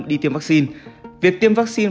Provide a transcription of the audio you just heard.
đi tiêm vaccine việc tiêm vaccine